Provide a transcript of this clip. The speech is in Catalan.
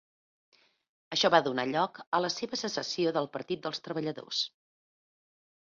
Això va donar lloc a la seva secessió del Partit dels Treballadors.